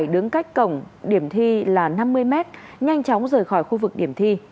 đứng cách cổng điểm thi là năm mươi m nhanh chóng rời khỏi khu vực điểm thi